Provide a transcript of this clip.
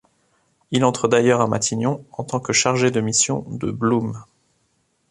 Il entre d'ailleurs à Matignon en tant que chargé de mission de Blum.